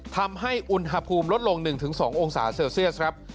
ทำให้อุณหภูมิลดลง๑๒องศาเซลเซียสครับ